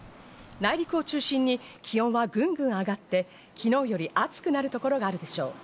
内陸を中心に気温はぐんぐん上がって、昨日より暑くなるところがあるでしょう。